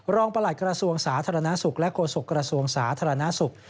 ประหลัดกระทรวงสาธารณสุขและโฆษกระทรวงสาธารณสุข